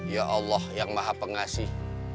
ya allah yang maha pengasih